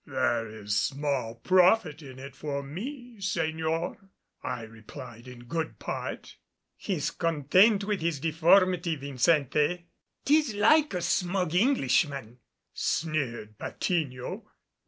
"There is small profit in it for me, Señor," I replied in good part. "He's content with his deformity, Vincente." "'Tis like a smug Englishman," sneered Patiño.